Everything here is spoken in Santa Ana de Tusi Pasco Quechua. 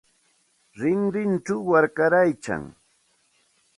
Rinrinchaw warkaraykan.